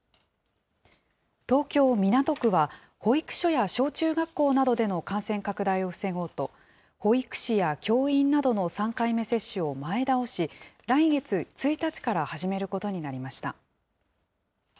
東京・港区は、保育所や小中学校などでの感染拡大を防ごうと、保育士や教員などの３回目接種を前倒し、来月１日から始めることになりました。